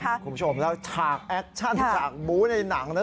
คุณผู้ชมแล้วฉากแอคชั่นฉากบู๊ในหนังนะ